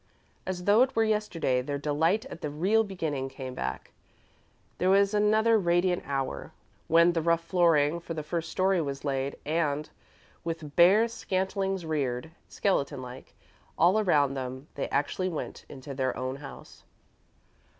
As though it were yesterday, their delight at the real beginning came back. There was another radiant hour, when the rough flooring for the first story was laid, and, with bare scantlings reared, skeleton like, all around them, they actually went into their own house.